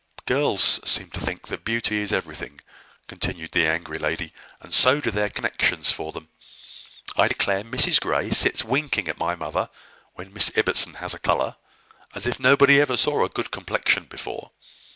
"Girls seem to think that beauty is everything," continued the angry lady, "and so do their connections for them. I declare Mrs Grey sits winking at my mother when Miss Ibbotson has a colour, as if nobody ever saw a good complexion before.